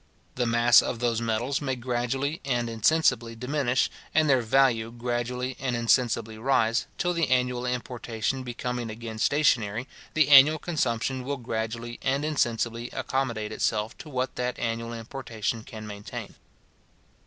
The mass of those metals may gradually and insensibly diminish, and their value gradually and insensibly rise, till the annual importation becoming again stationary, the annual consumption will gradually and insensibly accommodate itself to what that annual importation can maintain.